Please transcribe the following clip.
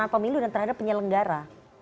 pemilu dan terhadap penyelenggara